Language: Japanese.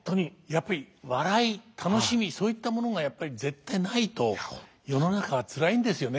やっぱり笑い楽しみそういったものがやっぱり絶対ないと世の中は辛いんですよね。